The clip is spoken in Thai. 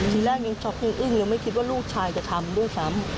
ทีแรกยังช็อกยังอึ้งยังไม่คิดว่าลูกชายจะทำด้วยซ้ำ